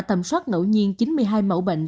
tầm soát ngẫu nhiên chín mươi hai mẫu bệnh